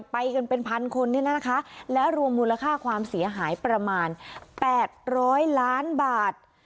ไปกันเป็นพันคนเนี่ยนะคะแล้วรวมมูลค่าความเสียหายประมาณ๘๐๐ล้านบาท